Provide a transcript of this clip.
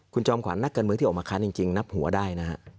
คุณจอมขวัญนักการเมืองที่ออกมาค้านจริงนับหัวได้นะฮะ